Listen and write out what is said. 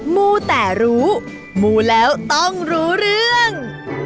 มูแต่รู้มูแล้วต้องรู้เรื่อง